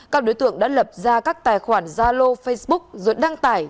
các đối tượng đã lập ra các tài khoản gia lô facebook rồi đăng tải